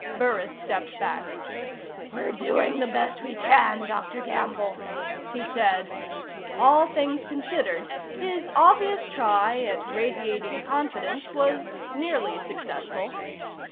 Burris stepped back. "We're doing the best we can, Dr. Gamble," he said. All things considered, his obvious try at radiating confidence was nearly successful.